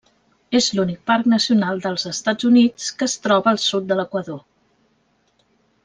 És l'únic parc nacional dels Estats Units que es troba al sud de l'equador.